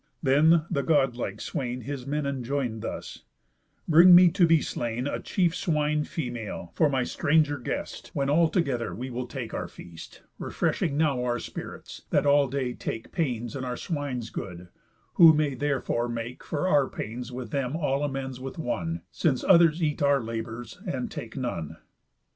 Then the God like swain His men enjoin'd thus: "Bring me to be slain A chief swine female, for my stranger guest, When altogether we will take our feast, Refreshing now our spirits, that all day take Pains in our swine's good, who may therefore make For our pains with them all amends with one, Since others eat our labours, and take none."